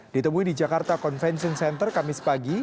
ditemui di jakarta convention center kamis pagi